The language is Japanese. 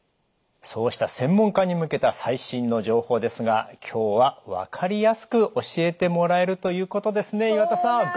そうした専門家に向けた最新の情報ですが今日は分かりやすく教えてもらえるということですね岩田さん。